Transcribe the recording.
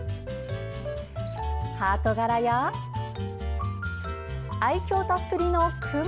ハート柄や愛きょうたっぷりのくま！